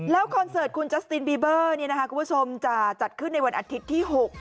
แล้วคอนเสิร์ตคุณจัสตินบีเบอร์คุณผู้ชมจะจัดขึ้นในวันอาทิตย์ที่๖